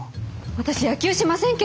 私野球しませんけど。